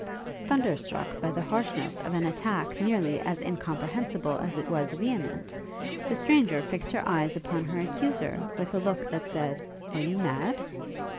Thunderstruck by the harshness of an attack nearly as incomprehensible as it was vehement, the stranger fixed her eyes upon her accuser with a look that said, Are you mad?